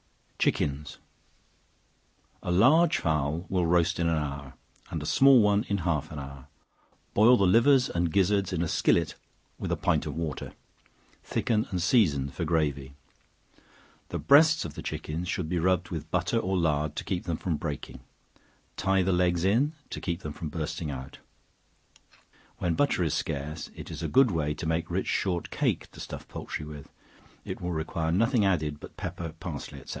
Chickens. A large fowl will roast in an hour, and a small one in half an hour; boil the livers and gizzards in a skillet with a pint of water; thicken and season for gravy. The breasts of the chickens should be rubbed with butter or lard to keep them from breaking. Tie the legs in, to keep them from bursting out. When butter is scarce, it is a good way to make rich short cake to stuff poultry with; it will require nothing added but pepper, parsley, &c.